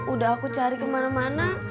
udah aku cari kemana mana